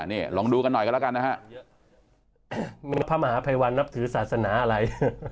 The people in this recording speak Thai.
นี่ลองดูกันหน่อยกันแล้วกันนะฮะพระมหาภัยวันนับถือศาสนาอะไร